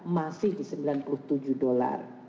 masih di rp sembilan puluh tujuh juta